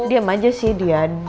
diam aja sih dia